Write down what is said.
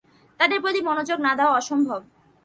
তাদের প্রতি মনোযোগ না দেওয়া অসম্ভব।